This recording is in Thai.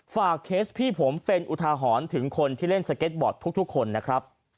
เคสพี่ผมเป็นอุทาหรณ์ถึงคนที่เล่นสเก็ตบอร์ดทุกคนนะครับ